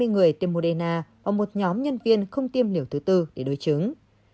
một trăm hai mươi người tiêm moderna và một nhóm nhân viên không tiêm liệu thứ tư để đối chứng